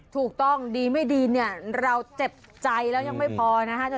ถูกต้องดีไม่ดีเนี่ยเราเจ็บใจแล้วยังไม่พอนะฮะ